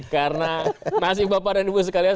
karena nasib bapak dan ibu sekalian